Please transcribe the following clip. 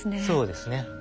そうですね。